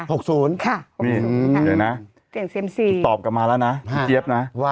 เห็นไหมนะเสี่ยงเซียมซีตอบกลับมาแล้วนะพี่เจี๊ยบนะ